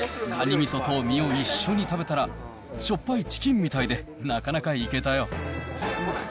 みそと身を一緒に食べたら、しょっぱいチキンみたいで、なかなかいけたよ。